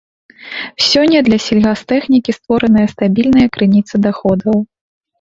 Сёння для сельгастэхнікі створаная стабільная крыніца даходаў.